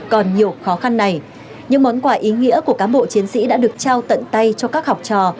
còn nhiều khó khăn này những món quà ý nghĩa của cán bộ chiến sĩ đã được trao tận tay cho các học trò